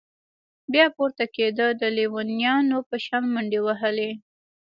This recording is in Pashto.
بيا پورته كېده د ليونيانو په شان منډې وهلې.